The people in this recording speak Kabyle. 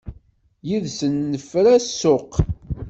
Yid-sen nefra ssuq.